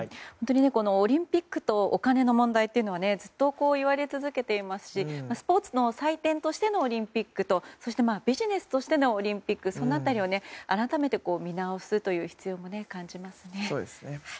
オリンピックとお金の問題というのはずっと言われ続けていますしスポーツの祭典としてのオリンピックとそしてビジネスとしてのオリンピック、その辺りを改めて見直すという必要も感じますね。